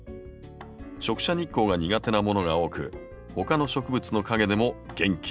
直射日光が苦手なものが多く他の植物の陰でも元気に育ちます。